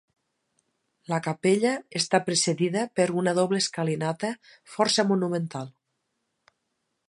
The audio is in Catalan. La capella està precedida per una doble escalinata força monumental.